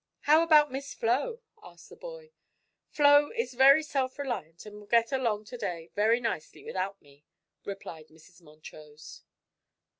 "How about Miss Flo?" asked the boy. "Flo is very self reliant and will get along to day very nicely without me," replied Mrs. Montrose.